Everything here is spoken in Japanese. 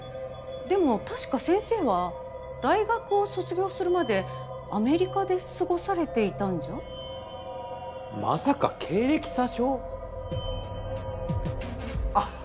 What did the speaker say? でも確か先生は大学を卒業するまでアメリカで過ごされていたんじゃ？まさか経歴詐称？